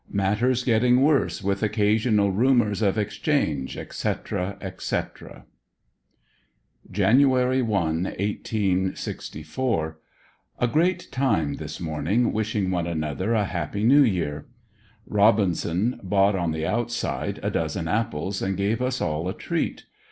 — MATTERS GETTING WORSE WITH OCCASIONAL RUMORS OF EXCHANGE, ETC., ETC. Jan. 1, 1864. — A great time this morniEg wishing one another a Happy New Year. Robinson bought on the outside a dozen apples and gave us all a treat.